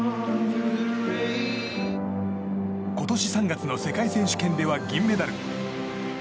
今年３月の世界選手権では銀メダル。